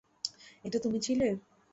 এটা তুমি ছিলে?